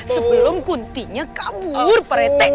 sebelum kuntinya kabur pak rite